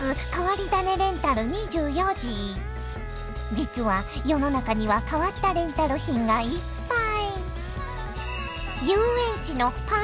実は世の中には変わったレンタル品がいっぱい！